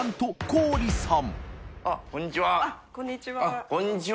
あっこんにちは。